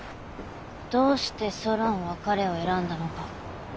どうしてソロンは彼を選んだのか。